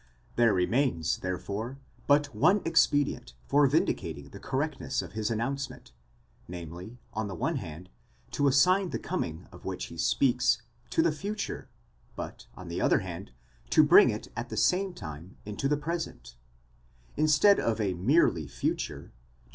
There remains, therefore, but one expedient for vindicating the correctness of his announcement, namely, on the one hand, to assign the coming of which he speaks to the future, but, on the other hand, to bring it at the same time into the present—instead of a merely future, to make it a 17 Ueber das Abendmahl, s.